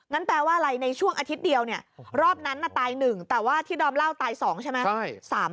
แปลว่าอะไรในช่วงอาทิตย์เดียวเนี่ยรอบนั้นน่ะตาย๑แต่ว่าที่ดอมเล่าตาย๒ใช่ไหม